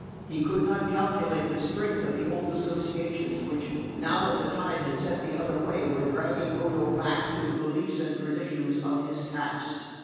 He could not calculate the strength of the old associations which, now that the tide had set the other way, were dragging Odo back to the beliefs and traditions of his caste.